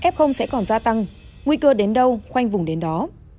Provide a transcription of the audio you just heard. f sẽ còn gia tăng nguy cơ đến đâu khoanh vùng đến đó